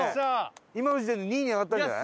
今の時点で２位に上がったんじゃない？